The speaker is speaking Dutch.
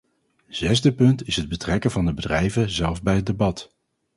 Zesde punt is het betrekken van de bedrijven zelf bij het debat.